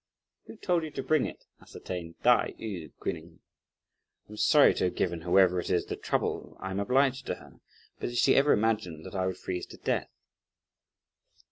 "Who told you to bring it?" ascertained Tai yü grinningly. "I'm sorry to have given whoever it is the trouble; I'm obliged to her. But did she ever imagine that I would freeze to death?"